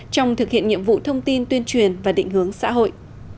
trong thực hiện nhiệm vụ thông tin tuyên truyền và định hướng xã hội